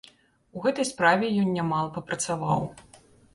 У гэтай справе ён нямала папрацаваў.